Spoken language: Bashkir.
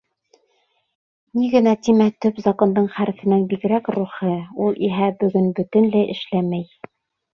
Ни генә тимә, Төп закондың хәрефенән бигерәк рухы, ул иһә бөгөн бөтөнләй эшләмәй.